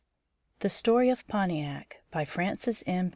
THE STORY OF PONTIAC BY FRANCES M.